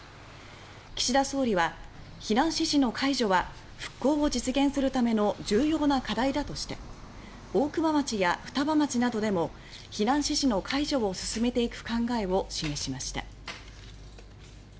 岸田総理は避難指示の解除は復興を実現するための重要な課題だとして大熊町や双葉町などでも避難指示の解除を進めていく考えを示しました。